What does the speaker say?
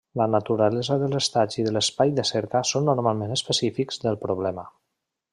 La naturalesa dels estats i de l'espai de cerca són normalment específics del problema.